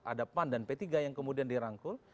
ada pan dan p tiga yang kemudian dirangkul